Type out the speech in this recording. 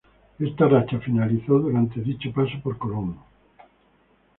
Esta racha finalizó durante dicho paso por Colón.